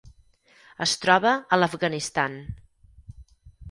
Es troba a l'Afganistan.